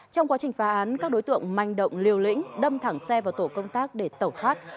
trong quá trình phá án các đối tượng manh động liều lĩnh đâm thẳng xe vào tổ công tác để tẩu thoát